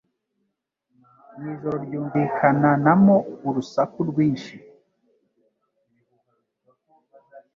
mwijoro ryumvikana namo urusaku rwinshi!